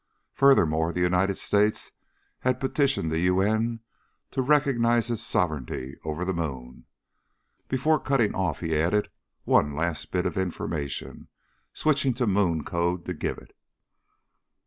Furthermore, the United States had petitioned the U.N. to recognize its sovereignty over the moon. Before cutting off he added one last bit of information, switching to moon code to give it.